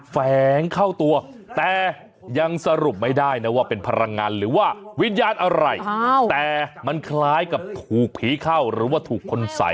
แฝงเข้าตัวแต่ยังสรุปไม่ได้นะว่าเป็นพลังงานหรือว่าวิญญาณอะไรแต่มันคล้ายกับถูกผีเข้าหรือว่าถูกคนใส่